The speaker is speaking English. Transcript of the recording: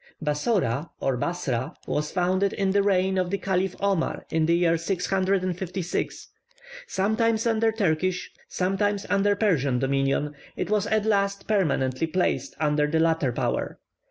Bassora, or Bassra, was founded in the reign of the Caliph Omar, in the year 656. Sometimes under Turkish, sometimes under Persian dominion, it was at last permanently placed under the latter power.